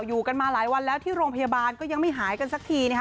อยู่กันมาหลายวันแล้วที่โรงพยาบาลก็ยังไม่หายกันสักทีนะคะ